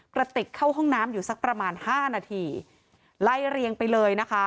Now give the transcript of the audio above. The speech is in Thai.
กระติกเข้าห้องน้ำอยู่สักประมาณห้านาทีไล่เรียงไปเลยนะคะ